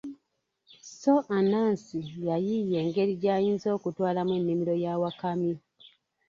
So Anansi yayiiya engeri gy'ayinza okutwalamu ennimiro ya wakamyu.